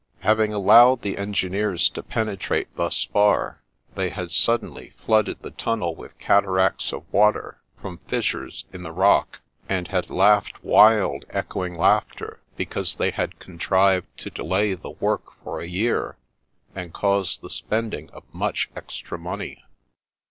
Having allowed the engineers to penetrate thus far, they had suddenly flooded the tunnel with cataracts of water from fis sures in the rock, and had laughed wild, echoing laughter because they had contrived to delay the work for a year, and cause the spending of much extra money.